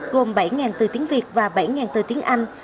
gồm bảy từ tiếng việt và bảy từ tiếng anh